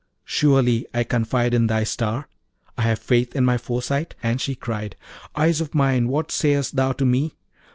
Surely, I confide in thy star? I have faith in my foresight?' And she cried, 'Eyes of mine, what sayest thou to me?